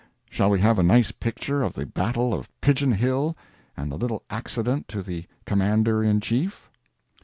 Shall we have a nice picture of the battle of Pigeon Hill and the little accident to the Commander in Chief?